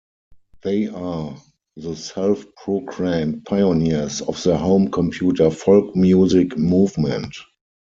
They are the self-proclaimed pioneers of the home computer folk music movement.